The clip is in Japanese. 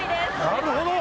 なるほど！